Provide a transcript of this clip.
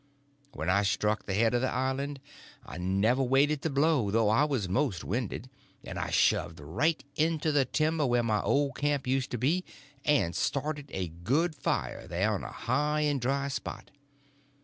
When I struck the head of the island I never waited to blow, though I was most winded, but I shoved right into the timber where my old camp used to be, and started a good fire there on a high and dry spot.